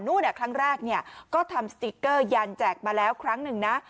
ครั้งแรกก็ทำสติ๊กเกอร์ยันแจกมาแล้วครั้งหนึ่งนะ